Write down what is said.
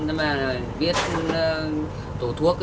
năm nay là viết tổ thuốc